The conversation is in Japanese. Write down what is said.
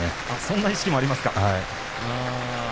そんな意識もありますか。